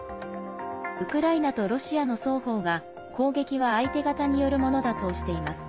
ウクライナとロシアの双方が攻撃は相手方によるものだとしています。